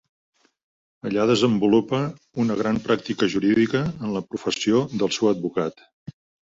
Allà desenvolupa una gran pràctica jurídica en la professió del seu advocat.